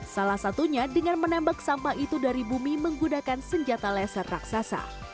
salah satunya dengan menembak sampah itu dari bumi menggunakan senjata laser raksasa